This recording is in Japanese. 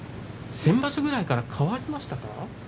先場所ぐらいから変わりましたか。